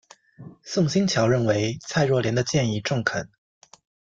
宋欣桥认为蔡若莲的建议中肯。